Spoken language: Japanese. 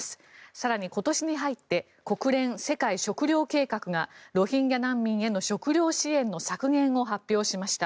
更に今年に入って国連世界食糧計画がロヒンギャ難民への食糧支援の削減を発表しました。